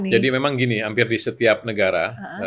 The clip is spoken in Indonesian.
jadi memang gini hampir di setiap negara